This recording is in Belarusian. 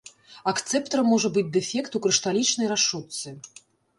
Акцэптарам можа быць дэфект у крышталічнай рашотцы.